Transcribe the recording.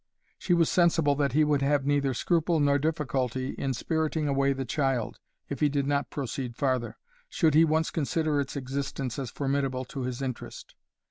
She was sensible that he would have neither scruple nor difficulty in spiriting away the child, (if he did not proceed farther,) should he once consider its existence as formidable to his interest.